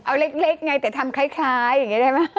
เอาเล็กไงแต่ทำคล้ายอย่างนี้ได้ไหม